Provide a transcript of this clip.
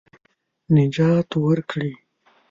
نجات ورکړي.